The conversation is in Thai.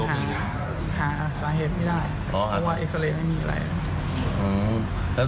อยากให้เขาพักจากสายป้าเรา